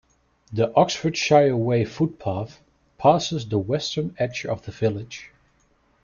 The Oxfordshire Way footpath passes the western edge of the village.